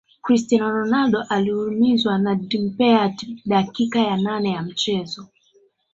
cristiano ronaldo aliumizwa na dimitr payet dakika ya nane ya mchezo